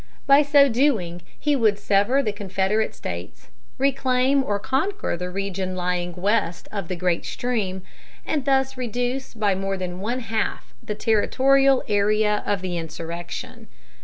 By so doing, he would sever the Confederate States, reclaim or conquer the region lying west of the great stream, and thus reduce by more than one half the territorial area of the insurrection.